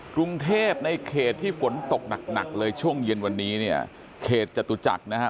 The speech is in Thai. กรุงเทพในเขตที่ฝนตกหนักหนักเลยช่วงเย็นวันนี้เนี่ยเขตจตุจักรนะฮะ